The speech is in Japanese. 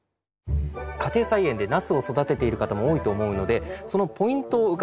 家庭菜園でナスを育てている方も多いと思うのでそのポイントを伺っていきます。